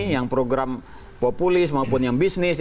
yang program populis maupun yang bisnis mp tiga